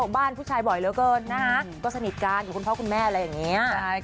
หรือคุณพ่อคุณแม่อะไรอย่างนี้